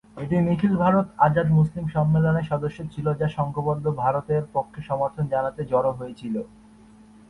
এটি নিখিল ভারত আজাদ মুসলিম সম্মেলনের সদস্য ছিল, যা সংঘবদ্ধ ভারতের পক্ষে সমর্থন জানাতে জড়ো হয়েছিল।